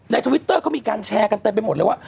ทวิตเตอร์เขามีการแชร์กันเต็มไปหมดเลยว่า